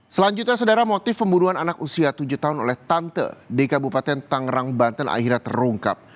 selanjutnya saudara motif pembunuhan anak usia tujuh tahun oleh tante di kabupaten tangerang banten akhirnya terungkap